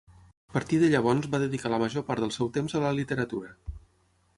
A partir de llavors va dedicar la major part del seu temps a la literatura.